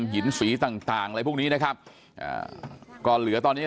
หินสีต่างต่างอะไรพวกนี้นะครับอ่าก็เหลือตอนนี้